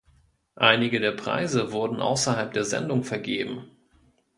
Einige der Preise wurden außerhalb der Sendung vergeben.